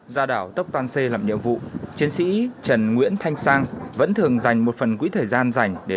ra đảo tốc toan sê làm nhiệm vụ chiến sĩ trần nguyễn thanh sang vẫn thường dành một phần